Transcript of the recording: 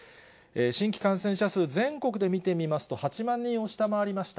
新規感染者数、全国で見てみますと８万人を下回りました。